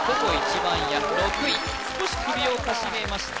番屋６位少し首をかしげました